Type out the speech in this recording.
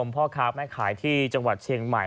พ่อค้าแม่ขายที่จังหวัดเชียงใหม่